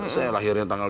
saya lahirnya tanggal tiga